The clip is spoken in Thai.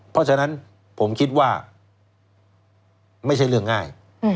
เพราะฉะนั้นผมคิดว่าไม่ใช่เรื่องง่าย